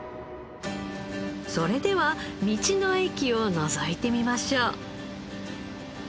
それでは道の駅をのぞいてみましょう。